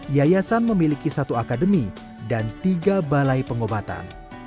yayasan memiliki satu akademi dan tiga balai pengobatan